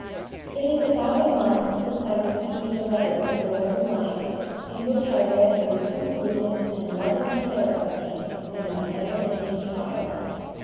It is about a month since I received your letter of November 9th in which I read your true goodness and loving care of me in my never ending trials.